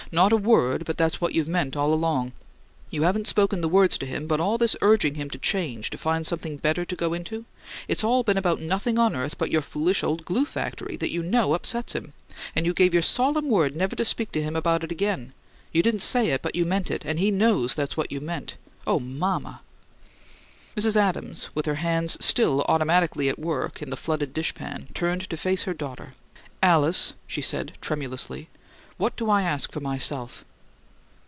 "Not a WORD, but that's what you've meant all along! You haven't spoken the words to him, but all this urging him to change, to 'find something better to go into' it's all been about nothing on earth but your foolish old glue factory that you know upsets him, and you gave your solemn word never to speak to him about again! You didn't say it, but you meant it and he KNOWS that's what you meant! Oh, mama!" Mrs. Adams, with her hands still automatically at work in the flooded dishpan, turned to face her daughter. "Alice," she said, tremulously, "what do I ask for myself?"